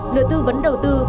lừa tư vấn đầu tư